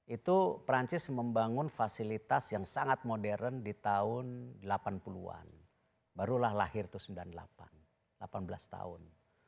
itu perancis membangun fasilitas yang sangat modern di tahun delapan puluh an barulah lahir itu sembilan puluh delapan delapan belas tahun